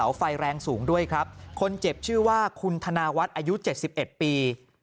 ไฟแรงสูงด้วยครับคนเจ็บชื่อว่าคุณธนาวัฒน์อายุเจ็ดสิบเอ็ดปี